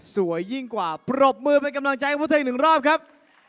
ยิ่งกว่าปรบมือเป็นกำลังใจให้พวกเธออีกหนึ่งรอบครับ